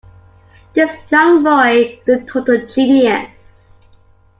This young boy is a total genius.